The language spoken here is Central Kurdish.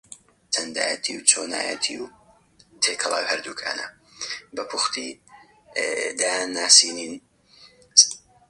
کورد لە کتێب ناردن تەنبەڵن